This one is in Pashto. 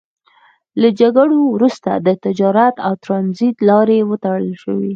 له جګړو وروسته د تجارت او ترانزیت لارې وتړل شوې.